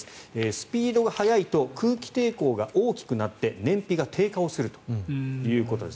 スピードが速いと空気抵抗が大きくなって燃費が低下をするということです。